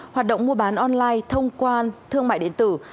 hoạt động mua bán online thông quan thương mại điện tử